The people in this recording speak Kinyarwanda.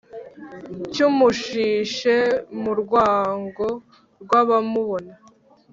cy umushishe mu rwango rwabamubona